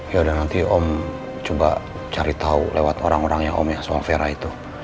yaudah nanti om coba cari tau lewat orang orangnya om ya soal vera itu